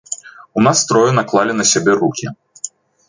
У нас трое наклалі на сябе рукі.